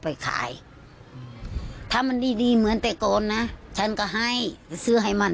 ไปขายถ้ามันดีดีเหมือนแต่ก่อนนะฉันก็ให้จะซื้อให้มัน